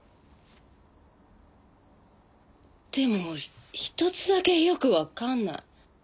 でもひとつだけよくわかんない。